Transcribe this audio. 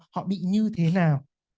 họ bị như thế nào